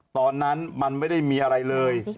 ตอนนั้นมันไม่ได้มีอะไรเลย